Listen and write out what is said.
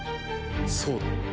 そうだ。